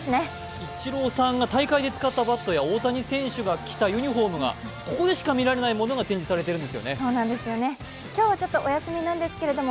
イチローさんが大会で使ったバットや大谷選手が着たユニフォーム、ここでしか見られないものが最新のニュースです。